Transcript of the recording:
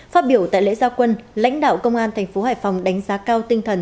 phát biểu tại lễ gia quân lãnh đạo công an thành phố hải phòng đánh giá cao tinh thần